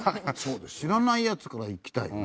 知らないやつからいきたいよね。